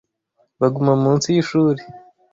baguma munsi y ishuri